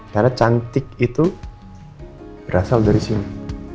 karena cantik itu berasal dari sini